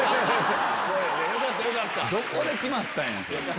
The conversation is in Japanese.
どこで決まったんや。